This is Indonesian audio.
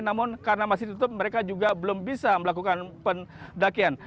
namun karena masih tutup mereka juga belum bisa melakukan pendakian